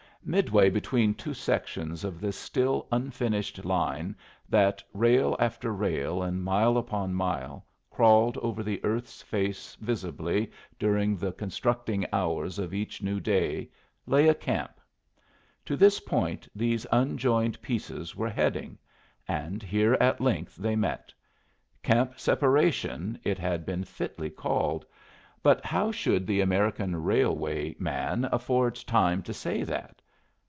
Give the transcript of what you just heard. Midway between two sections of this still unfinished line that, rail after rail and mile upon mile, crawled over the earth's face visibly during the constructing hours of each new day, lay a camp. To this point these unjoined pieces were heading, and here at length they met. Camp Separation it had been fitly called, but how should the American railway man afford time to say that?